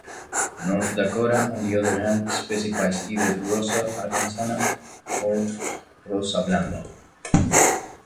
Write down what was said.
North Dakota, on the other hand, specifies either "Rosa arkansana" or "Rosa blanda".